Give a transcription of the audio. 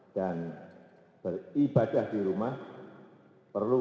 dan beribadah di rumah perlu